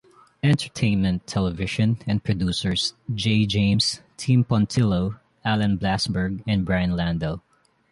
Entertainment Television, and producers Jay James, Tim Puntillo, Alan Blassberg, and Brian Lando.